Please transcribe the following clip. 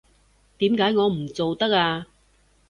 點解我唔做得啊？